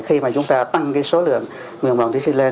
khi chúng ta tăng số lượng nguyện vọng thí sinh lên